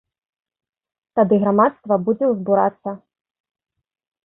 Тады грамадства будзе ўзбурацца.